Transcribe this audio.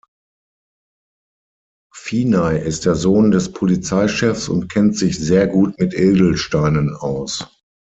Vinay ist der Sohn des Polizeichefs und kennt sich sehr gut mit Edelsteinen aus.